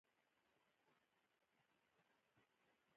یوسف علي خان استازي په حیث واستاوه.